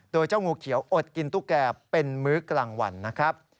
โดยเจ้างูเขียวอดกินตุ๊กแก่เป็นมื้อกลางวันนะครับ